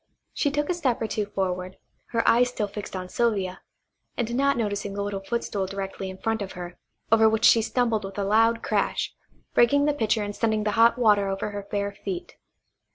She took a step or two forward, her eyes still fixed on Sylvia, and not noticing the little footstool directly in front of her, over which she stumbled with a loud crash, breaking the pitcher and sending the hot water over her bare feet.